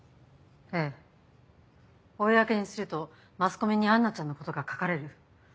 ええ公にするとマスコミにアンナちゃんのことが書かれる。